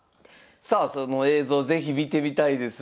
さあその映像是非見てみたいです。